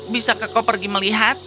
bisakah kau pergi melihat